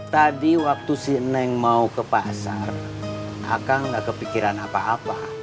tadi waktu si neng mau ke pasar aka nggak kepikiran apa apa